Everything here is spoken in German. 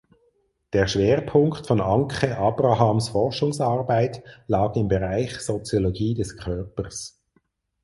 Der Schwerpunkt von Anke Abrahams Forschungsarbeit lag im Bereich Soziologie des Körpers.